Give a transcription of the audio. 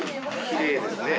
きれいですね。